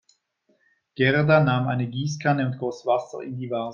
Gerda nahm eine Gießkanne und goss Wasser in die Vase.